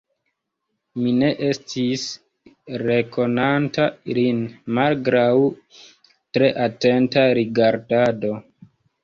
Mi ne estis rekonanta lin, malgraŭ tre atenta rigardado.